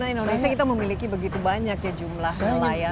karena indonesia kita memiliki begitu banyak ya jumlah nelayan